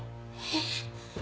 えっ？